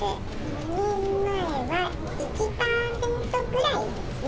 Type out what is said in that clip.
２年前は１％くらいですね。